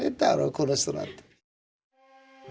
この人なんて。